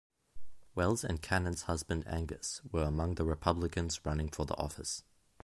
Wells and Cannon's husband Angus were among the Republicans running for the office.